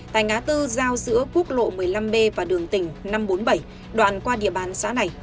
tại ngã tư giao giữa quốc lộ một mươi năm b và đường tỉnh năm trăm bốn mươi bảy đoạn qua địa bàn xã này